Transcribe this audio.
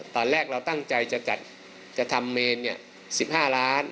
ตอนแรกเราตั้งใจจะทำเมน๑๕ล้าน